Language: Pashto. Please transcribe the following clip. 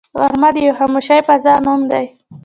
غرمه د یوې خاموشې فضا نوم دی